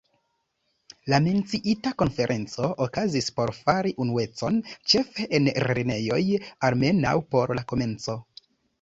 La menciita konferenco okazis por fari unuecon ĉefe en lernejoj, almenaŭ por la komenco.